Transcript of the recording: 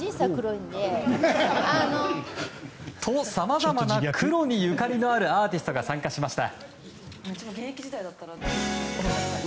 と、さまざまな黒にゆかりのあるアーティストが参加しました。